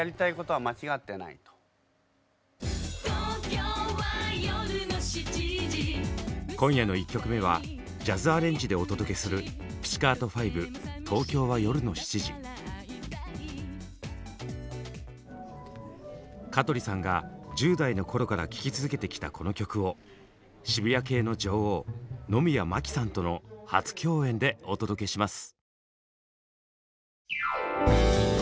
あれにちょっと「トーキョーは夜の七時」今夜の１曲目はジャズアレンジでお届けする香取さんが１０代の頃から聴き続けてきたこの曲を渋谷系の女王野宮真貴さんとの初共演でお届けします。